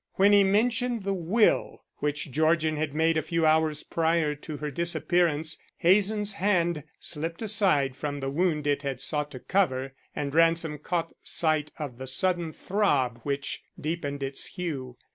When he mentioned the will which Georgian had made a few hours prior to her disappearance, Hazen's hand slipped aside from the wound it had sought to cover, and Ransom caught sight of the sudden throb which deepened its hue.